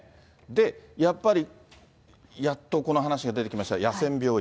やっぱり、やっとこの話が出てきました、野戦病院。